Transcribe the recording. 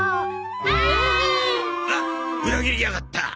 はーい！あっ裏切りやがった！